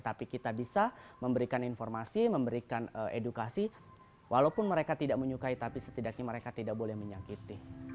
tapi kita bisa memberikan informasi memberikan edukasi walaupun mereka tidak menyukai tapi setidaknya mereka tidak boleh menyakiti